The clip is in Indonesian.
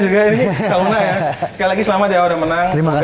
sekali lagi selamat ya sudah menang